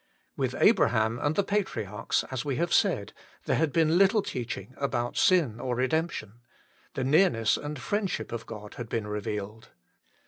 With Abraham and the patriarchs, as we have said, there had been little teaching about sin or redemption ; the nearness and friendship of God had been revealed.